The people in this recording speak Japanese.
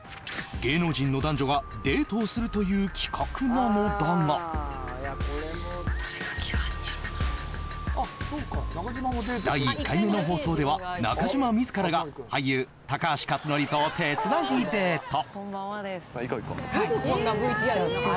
芸能人の男女がデートをするという企画なのだが第１回目の放送では中島自らが俳優・高橋克典と手つなぎデート。